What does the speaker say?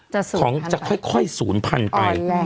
จะสูญพันธุ์ไปจะค่อยสูญพันธุ์ไป